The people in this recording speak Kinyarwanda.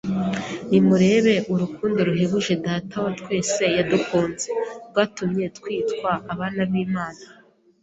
“Nimurebe urukundo ruhebuje Data wa twese yadukunze, rwatumye twitwa abana b’Imana